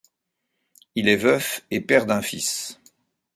Il est veuf et père d'un fils.